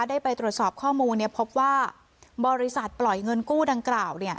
ได้ไปตรวจสอบข้อมูลพบว่าบริษัทปล่อยเงินกู้ดังกล่าว